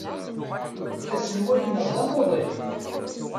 Aselway-nneɣ d amuḍin.